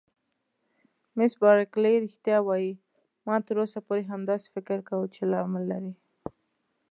مس بارکلي: رښتیا وایې؟ ما تر اوسه پورې همداسې فکر کاوه چې لامل لري.